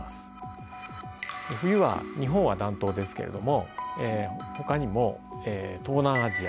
冬は日本は暖冬ですけれども他にも東南アジア